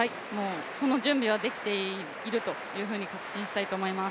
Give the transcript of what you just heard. その準備はできていると確信したいと思います。